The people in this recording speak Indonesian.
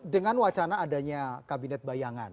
dengan wacana adanya kabinet bayangan